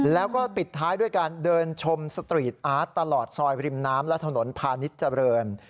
แล้วก็ปิดท้ายด้วยการเดินชมสตรีทอาร์ตตลอดซอยริมน้ำและถนนพาณิชย์เจริญ